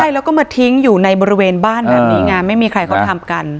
ใช่แล้วก็มาทิ้งอยู่ในบริเวณบ้านแบบนี้ไงไม่มีใครเขาทำกัน